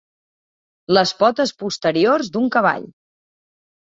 Les potes posteriors d'un cavall.